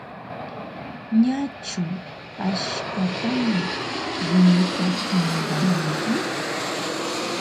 Ñachu askhataña rumita huñuramunki?